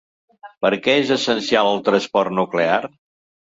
Per a què és essencial el transport nuclear?